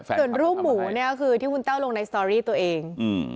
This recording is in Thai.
ส่วนรูปหมูเนี่ยคือที่คุณแต้วลงในสตอรี่ตัวเอง